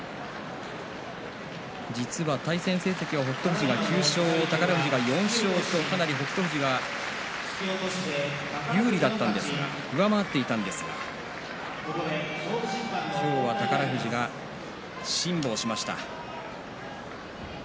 実は対戦成績、北勝富士９勝宝富士４勝とかなり北勝富士が有利だったんですが上回っていたんですが今日は宝富士が辛抱しました。